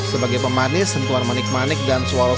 sebagai pemanis sentuhan manik manik dan suara